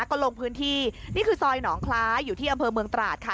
ก็ลงพื้นที่นี่คือซอยหนองคล้าอยู่ที่อำเภอเมืองตราดค่ะ